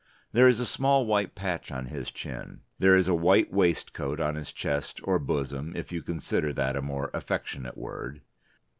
There is a small white patch on his chin. There is a white waistcoat on his chest, or bosom if you consider that a more affectionate word.